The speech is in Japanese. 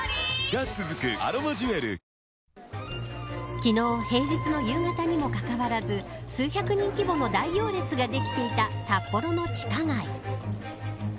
昨日平日の夕方にもかかわらず数百人規模の大行列ができていた札幌の地下街。